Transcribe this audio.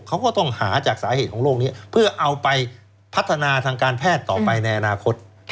เขาก็ต้องหาจากสาเหตุของโรคนี้เพื่อเอาไปพัฒนาทางการแพทย์ต่อไปในอนาคต